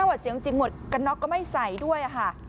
นวัดเสียจริงจริงหมดกันชอบก็ไม่ใส่ด้วยฮะ